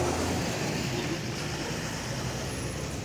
Bulduk mu?